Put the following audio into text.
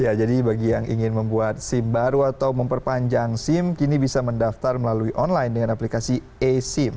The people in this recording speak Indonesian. ya jadi bagi yang ingin membuat sim baru atau memperpanjang sim kini bisa mendaftar melalui online dengan aplikasi e sim